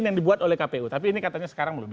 yang dibuat oleh kpu tapi ini katanya